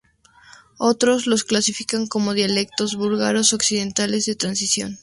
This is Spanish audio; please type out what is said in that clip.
Otros los clasifican como dialectos búlgaros occidentales de transición.